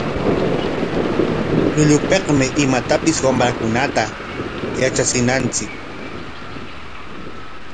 Llullupikmi imatapis wamrakunata yatrachinanchik.